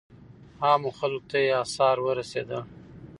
عامو خلکو ته یې آثار ورسېدل.